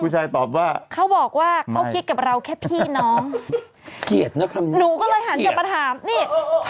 จริง